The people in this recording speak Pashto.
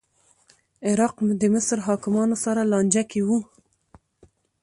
عراق مصر حاکمانو سره لانجه کې و